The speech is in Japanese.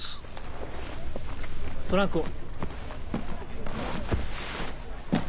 トランクを。